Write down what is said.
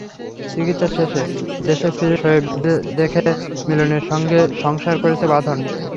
চিকিৎসা শেষে দেশে ফিরে শোয়েব দেখে, মিলনের সঙ্গে সংসার করছে বাঁধন।